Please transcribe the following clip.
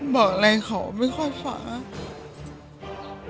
บอกอะไรเขาไม่ค่อยฟ้า